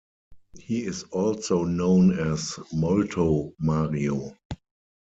He is also known as "Molto Mario".